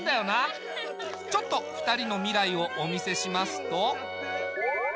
ちょっと２人の未来をお見せしますと。